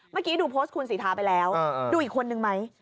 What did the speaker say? เมื่อกี้ดูโพสต์คุณสิทาไปแล้วดูอีกคนนึงไหม